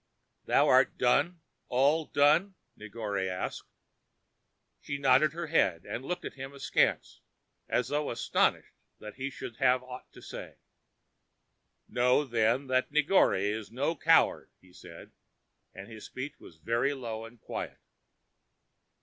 "Thou art done? All done?" Negore asked. She nodded her head and looked at him askance, as though astonished that he should have aught to say. "Know then that Negore is no coward," he said; and his speech was very low and quiet.